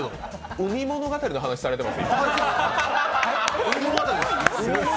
「海物語」の話されてます？